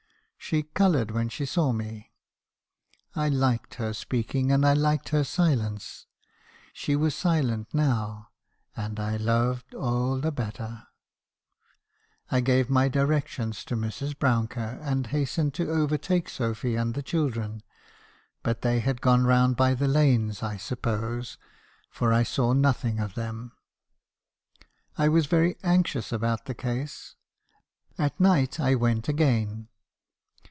" She coloured when she saw me. I liked her speaking, and I liked her silence. She was silent now, and I 'lo'ed a' the better.' I gave my directions to Mrs. Brouncker, and hastened to overtake Sophy and the children; but they had gone round by the lanes, I suppose, for I saw nothing of them. " I was very anxious about the case. At night I went again.